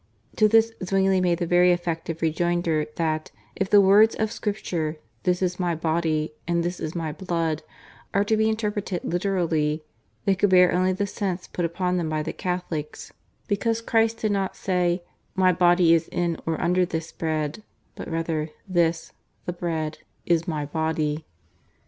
To this Zwingli made the very effective rejoinder that if the words of Scripture "This is My body and this is My blood" are to be interpreted literally they could bear only the sense put upon them by the Catholics, because Christ did not say "My body is in or under this bread," but rather "This (the bread) is My body."